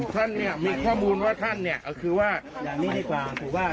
ท่านเนี่ยมีข้อมูลว่าท่านเนี่ยก็คือว่าอย่างนี้ดีกว่าถูกป่ะ